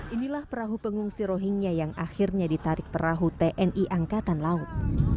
inilah perahu pengungsi rohingya yang akhirnya ditarik perahu tni angkatan laut